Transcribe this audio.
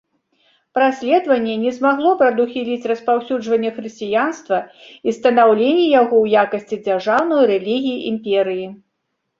Праследаванне не змагло прадухіліць распаўсюджванне хрысціянства і станаўленне яго ў якасці дзяржаўнай рэлігіі імперыі.